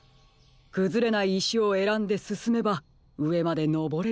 くずれないいしをえらんですすめばうえまでのぼれるはずです。